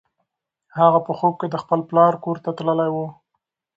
هغه په خوب کې د خپل پلار کور ته تللې وه.